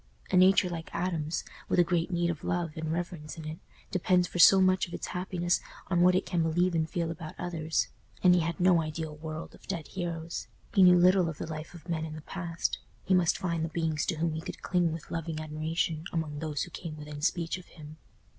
A nature like Adam's, with a great need of love and reverence in it, depends for so much of its happiness on what it can believe and feel about others! And he had no ideal world of dead heroes; he knew little of the life of men in the past; he must find the beings to whom he could cling with loving admiration among those who came within speech of him.